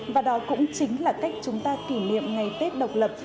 và đó cũng chính là cách chúng ta kỷ niệm ngày tết độc lập